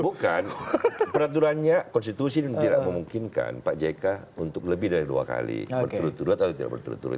bukan peraturannya konstitusi dan tidak memungkinkan pak jk untuk lebih dari dua kali berturut turut atau tidak berturut turut